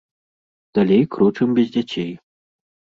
Далей крочым без дзяцей.